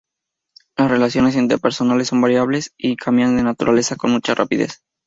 Las relaciones interpersonales son variables y cambian de naturaleza con mucha rapidez.